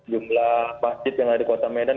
jumlah masjid yang ada di kota medan